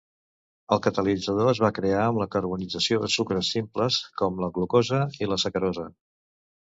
El catalitzador es va crear amb la carbonització de sucres simples com la glucosa i la sacarosa.